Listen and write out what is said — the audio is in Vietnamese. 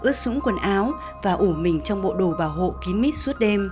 ớt sũng quần áo và ủ mình trong bộ đồ bảo hộ kín mít suốt đêm